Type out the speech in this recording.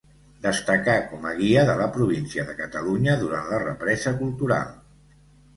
Destacà com a guia de la província de Catalunya durant la represa cultural.